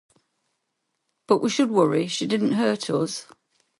But we should worry, she didn't hurt us.